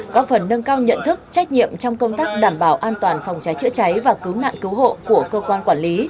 có phần nâng cao nhận thức trách nhiệm trong công tác đảm bảo an toàn phòng cháy chữa cháy và cứu nạn cứu hộ của cơ quan quản lý